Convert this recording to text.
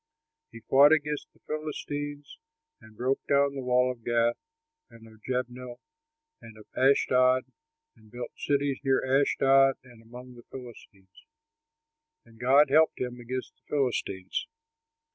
He fought against the Philistines, and broke down the wall of Gath and of Jabneh and of Ashdod and built cities near Ashdod and among the Philistines. And God helped him against the Philistines.